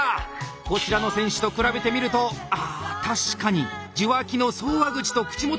こちらの選手と比べてみるとああ確かに受話器の送話口と口元が近い。